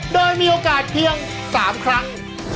โดยมีโอกาสเพียง๓ครั้ง